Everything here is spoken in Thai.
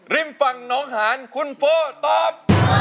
ริมฝั่งน้องหานคุณโฟตอบ